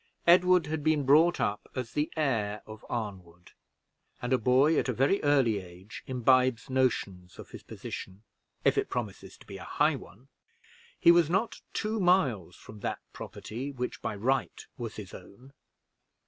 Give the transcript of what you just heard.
Edward had been brought up as the heir of Arnwood; and a boy at a very early age imbibes notions of his position, if it promises to be a high one. He was not two miles from that property which by right was his own.